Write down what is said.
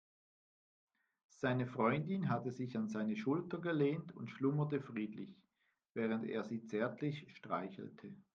Seine Freundin hatte sich an seine Schulter gelehnt und schlummerte friedlich, während er sie zärtlich streichelte.